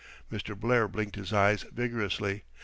Mr. Blair blinked his eyes vigorously.